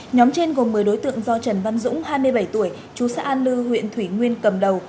nhóm trên gồm một mươi đối tượng do trần văn dũng hai mươi bảy tuổi chú xã an lư huyện thủy nguyên cầm đầu